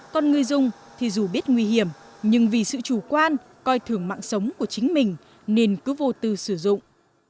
còn người dùng thì dù biết nguy hiểm nhưng vì sự chủ quan coi thường mạng sống của chính mình nên cứ vô tư sử dụng